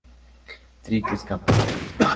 Trick escapa.